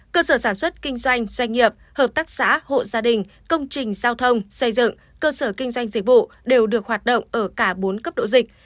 cơ sở sản xuất kinh doanh doanh nghiệp hợp tác xã hộ gia đình công trình giao thông xây dựng cơ sở kinh doanh dịch vụ đều được hoạt động ở cả bốn cấp độ dịch